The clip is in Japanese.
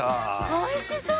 おいしそう！